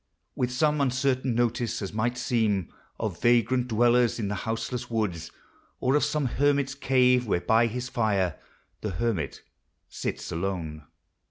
With some uncertain notice, as might seem Of vagrant dwellers in the houseless woods, Or of some hermit's cave, where by his fire The hermit sits alone.